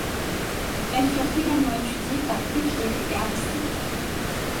Elles furent également étudiées par Euclide et Aristée.